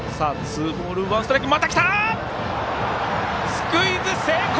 スクイズ成功！